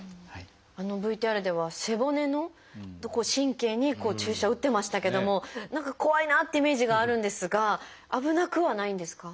あのＶＴＲでは背骨のとこ神経に注射を打ってましたけども何か怖いなってイメージがあるんですが危なくはないんですか？